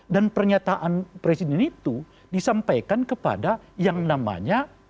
dan pernyataan presiden itu disampaikan kepada yang namanya